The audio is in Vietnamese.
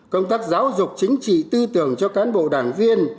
công tác giáo dục chính trị tư tưởng cho cán bộ đảng viên